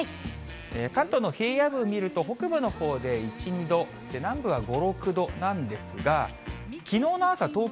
関東の平野部を見ると、北部のほうで１、２度、南部のほうで５、６度なんですが、きのうの朝、東京